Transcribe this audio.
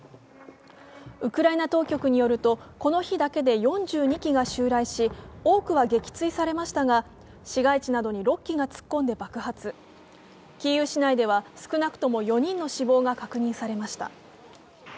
ウクライナ当局によるとこの日だけで４２機が襲来し多くは撃墜されましたが市街地などに６機が突っ込んで爆発キーウ市内では少なくとも４人の死亡が確認されました。